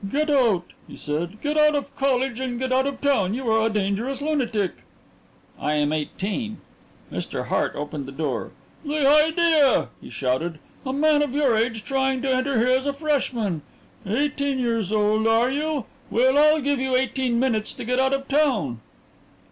"Get out," he said. "Get out of college and get out of town. You are a dangerous lunatic." "I am eighteen." Mr. Hart opened the door. "The idea!" he shouted. "A man of your age trying to enter here as a freshman. Eighteen years old, are you? Well, I'll give you eighteen minutes to get out of town."